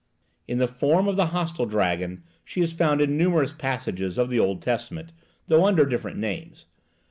In the form of the hostile dragon she is found in numerous passages of the Old Testament, though under different names.